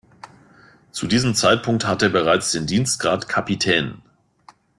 Zu diesem Zeitpunkt hatte er bereits den Dienstgrad Capitaine.